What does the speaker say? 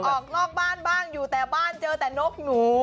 ออกนอกบ้านบ้างอยู่แต่บ้านเจอแต่นกหนู